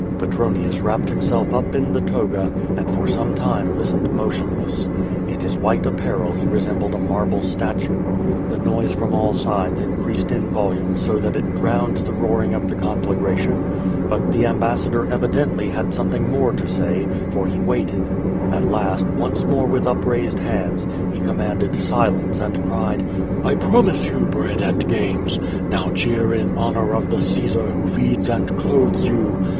Petronius wrapped himself up in the toga and for some time listened motionless. In his white apparel he resembled a marble statue. The noise from all sides increased in vol ume so that it drowned the roaring of the conflagration. But the ambassador evidently had something more to say, for he waited. At last, once more with upraised hands, he com manded silence and cried: "I promise you bread and games. Now cheer in honor of the Caesar who feeds and clothes you.